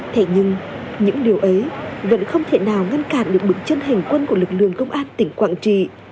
thế nhưng những điều ấy vẫn không thể nào ngăn cản được bước chân hành quân của lực lượng công an tỉnh quảng trị